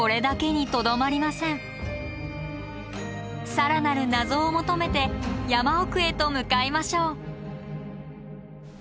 更なる謎を求めて山奥へと向かいましょう！